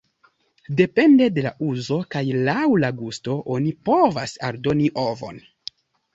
Depende de la uzo kaj laŭ la gusto oni povas aldoni ovon.